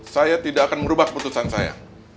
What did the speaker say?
saya tidak akan merubah keputusan saya